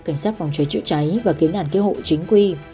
cảnh sát phòng cháy chữa cháy và kiếm nản kêu hộ chính quy